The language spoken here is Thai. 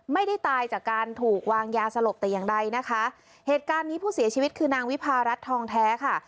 ไม่ได้ตายจากการถูกวางยาสลบแต่อย่างใดนะคะเหตุการณ์นี้ผู้เสียชีวิตคือนางวิพารัฐทองแท้ค่ะ